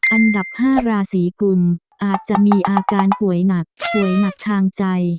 อันดับ๕ราศีกุลอาจจะมีอาการป่วยหนักป่วยหนักทางใจ